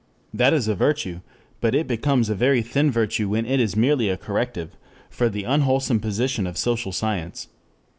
That is a virtue, but it becomes a very thin virtue when it is merely a corrective for the unwholesome position of social science.